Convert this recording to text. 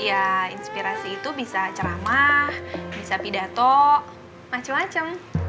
ya inspirasi itu bisa ceramah bisa pidato macem macem